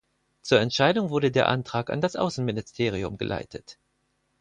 Zur Entscheidung wurde der Antrag an das Außenministerium geleitet.